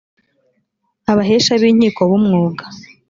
abahesha b inkiko b umwuga